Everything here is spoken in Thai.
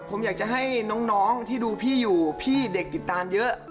ผมอยากจะให้น้องที่ดูพี่อยู่พี่เด็กติดตามเยอะ